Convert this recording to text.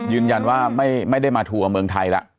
ยืนยันว่าไม่ได้มาทัวร์เมืองไทยแล้ว